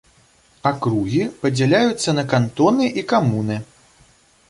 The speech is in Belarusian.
Акругі падзяляюцца на кантоны і камуны.